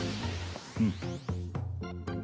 うん。